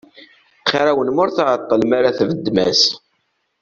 Xir-awen ma ur tεeṭṭlem ara tbeddem-as.